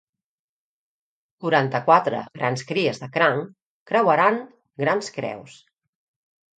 Quaranta-quatre grans cries de cranc creuaran grans creus.